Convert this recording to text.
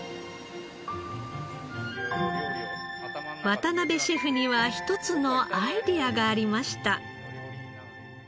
渡辺シェフには１つのアイデアがありました。